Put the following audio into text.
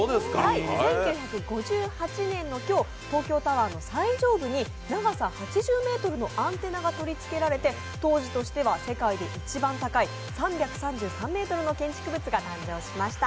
１９５８年の今日東京タワーの最上部に長さ８０ｍのアンテナが取りつけられて当時としては世界で一番高い３３３ｍの建築物が誕生しました。